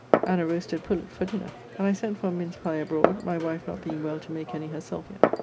] and a roasted pullet for dinner, and I sent for a mince pie abroad, my wife not being well to make any herself yet.